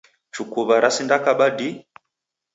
Chukuw'a rasindakaba dii.